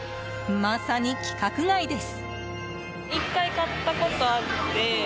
まさに規格外です。